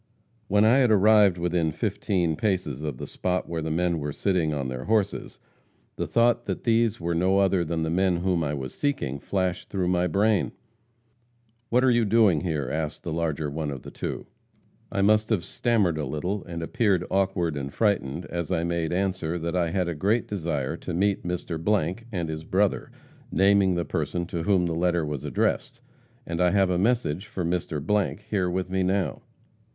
"When I had arrived within fifteen paces of the spot where the men were sitting on their horses, the thought that these were no other than the men whom I was seeking, flashed through my brain. "'What are you doing here?' asked the larger one of the two. "I must have stammered a little, and appeared awkward and frightened as I made answer that I had a great desire to meet Mr. and his brother naming the person to whom the letter was addressed and I have a message for Mr. here with me now.